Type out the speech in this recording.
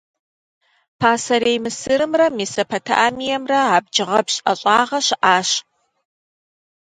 Пасэрей Мысырымрэ Месопотамиемрэ абджгъэпщ ӀэщӀагъэ щыӀащ.